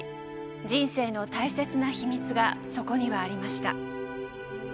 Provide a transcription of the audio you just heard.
人生の大切な秘密がそこにはありました。